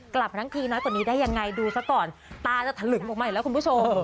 กลับทั้งทีน้อยกว่านี้ได้ยังไงดูซะก่อนตาจะถลึงออกมาอีกแล้วคุณผู้ชม